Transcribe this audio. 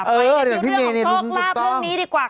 เออเดี๋ยวที่มีอันนี้ลุ้นถูกต้อง